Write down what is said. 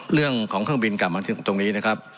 เรื่องของเครื่องบินกลับมาถึงตรงนี้นะครับ